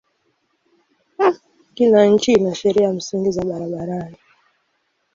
Kila nchi ina sheria msingi za barabarani.